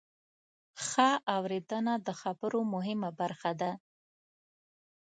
ښه اورېدنه د خبرو مهمه برخه ده.